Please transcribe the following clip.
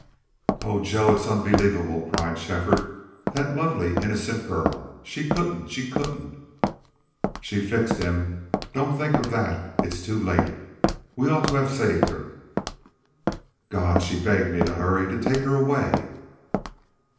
"Oh, Joe!... It's unbelievable!" cried Shefford. "That lovely, innocent girl! She couldn't she couldn't." "She's fixed him. Don't think of that. It's too late. We ought to have saved her." "God!... She begged me to hurry to take her away."